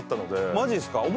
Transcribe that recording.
マジっすか？